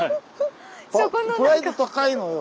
プライド高いのよ。